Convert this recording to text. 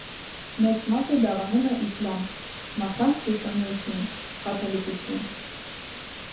Մեծ մասը դավանում է իսլամ, մասամբ՝ քրիստոնեություն (կաթոլիկություն)։